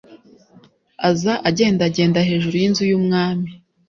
aza agendagenda hejuru y’inzu y’umwami.